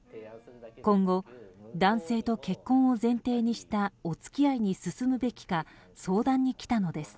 今後、男性と結婚を前提にしたお付き合いに進むべきが相談に来たのです。